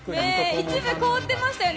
一部凍ってましたよね。